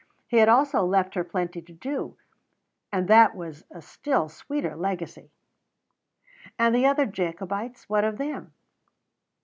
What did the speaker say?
He had also left her plenty to do, and that was a still sweeter legacy. And the other Jacobites, what of them?